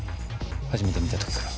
初めて見たときから。